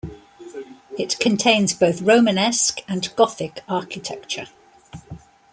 It contains both Romanesque and Gothic architecture.